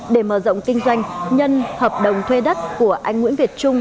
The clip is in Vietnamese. để mở rộng kinh doanh nhân hợp đồng thuê đất của anh nguyễn việt trung